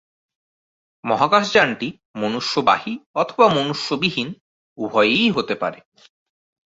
মহাকাশযানটি মনুষ্যবাহী অথবা মনুষ্যবিহীন উভয়-ই হতে পারে।